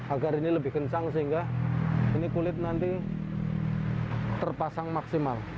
agar ini lebih kencang sehingga ini kulit nanti terpasang maksimal